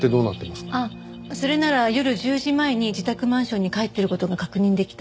あっそれなら夜１０時前に自宅マンションに帰ってる事が確認できた。